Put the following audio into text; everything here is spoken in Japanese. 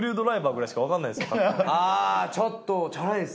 あぁちょっと。